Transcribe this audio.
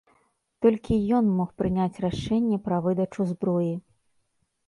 Толькі ён мог прыняць рашэнне пра выдачу зброі.